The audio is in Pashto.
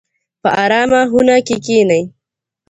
په ارامه خونه کې کښینئ.